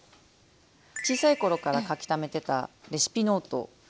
小さい頃から書きためてたレシピノート。